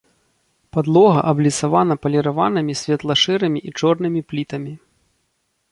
Падлога абліцавана паліраванымі светла-шэрымі і чорнымі плітамі.